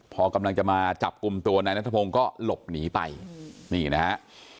พอกำลังจะมาจับกลุ่มตัวนายนัทพงศ์ก็หลบหนีไปนี่นะฮะ